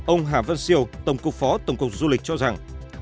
ông hà văn siêu tổng cục phó tổng cục du lịch cho rằng